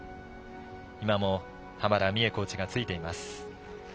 今も濱田美栄コーチがついています。